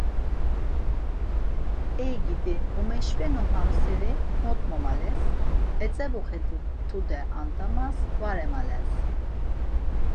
Ey gidi, umeşvenu ham seri mot momales, etzebuxedit tude ant̆amas var emales.